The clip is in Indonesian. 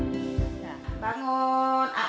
masa depan yang cemerlang